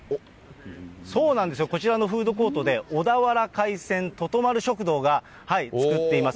そうなんですよ、こちらのフードコートで、小田原海鮮ととまるしょくどうが作っています。